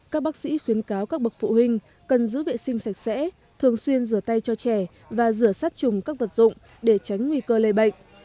các bác sĩ khuyến cáo các bậc phụ huynh cần giữ vệ sinh sạch sẽ thường xuyên rửa tay cho trẻ và rửa sát trùng các vật dụng để tránh nguy cơ lây bệnh